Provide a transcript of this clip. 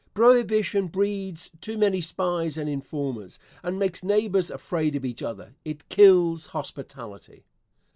Prohibition breeds too many spies and informers, and makes neighbors afraid of each other. It kills hospitality.